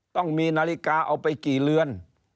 ต้องมีนาฬิกาเอาไปกี่เรือน